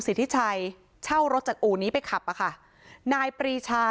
สิทธิชัยเช่ารถจากอู่นี้ไปขับอ่ะค่ะนายปรีชา